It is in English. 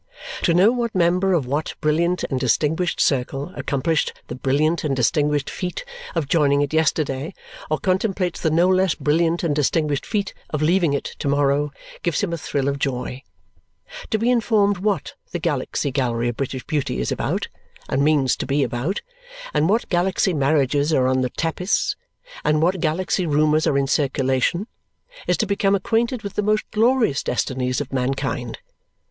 To know what member of what brilliant and distinguished circle accomplished the brilliant and distinguished feat of joining it yesterday or contemplates the no less brilliant and distinguished feat of leaving it to morrow gives him a thrill of joy. To be informed what the Galaxy Gallery of British Beauty is about, and means to be about, and what Galaxy marriages are on the tapis, and what Galaxy rumours are in circulation, is to become acquainted with the most glorious destinies of mankind. Mr.